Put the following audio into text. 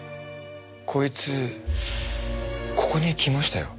こいつここに来ましたよ。